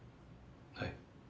はい。